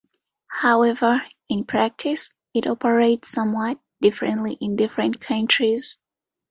However, in practice it operates somewhat differently in different countries.